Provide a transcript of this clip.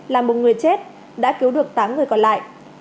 làm một người chết đã cứu được tám người còn lại